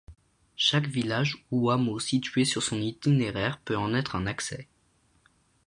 Chaque village ou hameau situé sur son itinéraire peut en être un accès.